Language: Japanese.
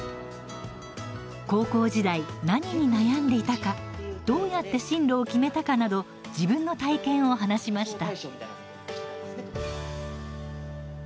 高校時代、何に悩んでいたかどうやって進路を決めたかなど自分の体験を話しました。